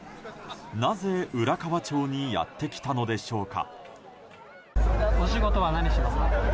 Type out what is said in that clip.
なぜ、浦河町にやってきたのでしょうか？